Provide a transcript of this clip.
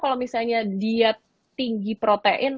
kalau misalnya dia tinggi protein